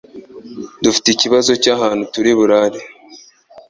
dufite ikibazo cyahantu turiburare